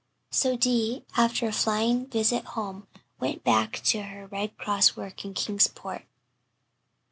So Di, after a flying visit home, went back to her Red Cross work in Kingsport.